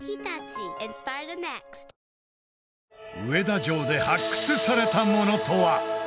上田城で発掘されたものとは？